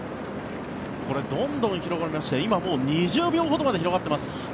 どんどん広がりまして２０秒ほどになっています。